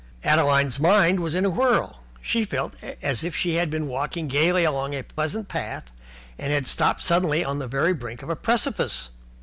Adeline's mind was in a whirl. She felt as if she had been walking gaily along a pleasant path and had stopped suddenly on the very brink of a precipice.